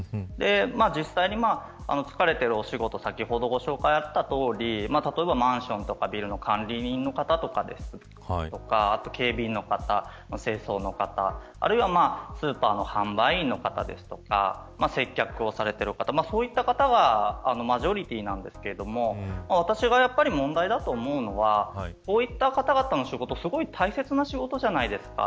実際に書かれているお仕事先ほどご紹介あったとおり例えばマンションやビルの管理人の方とかあと警備員の方、清掃の方あるいはスーパーの販売員の方でしたり接客をされている方そういった方はマジョリティーなんですけれど私が問題だと思うのはこういった方々の仕事大切な仕事じゃないですか。